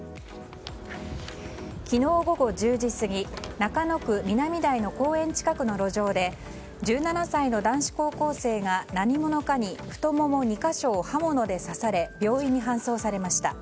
昨日午後１０時過ぎ中野区南台の公園近くの路上で１７歳の男子高校生が何者かに太もも２か所を刃物で刺され病院に搬送されました。